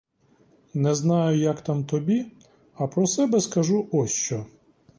Не знаю, як там тобі, а про себе скажу ось що.